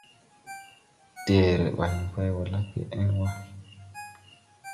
Deere bàyn bay wɔ lagge en wa.